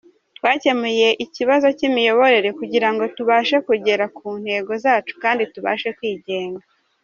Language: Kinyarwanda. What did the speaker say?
Twakemuye ikibazo cy’imiyoborere kugira ngo tubashe kugera ku ntego zacu kandi tubashe kwigenga.